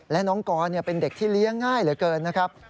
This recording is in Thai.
และน้องกรเป็นเด็กที่เลี้ยงง่ายเหลือเกินนะครับ